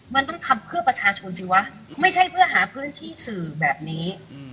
มันต้องทำเพื่อประชาชนสิวะไม่ใช่เพื่อหาพื้นที่สื่อแบบนี้